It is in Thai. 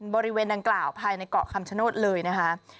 บริเวณดังกล่าวภายในเกาะคำชโนธเลยนะคะ